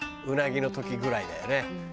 うなぎの時ぐらいだよね。